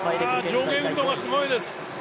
ああ、上下運動がすごいです。